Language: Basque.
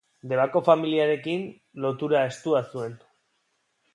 Debako familiarekin lotura estua zuen.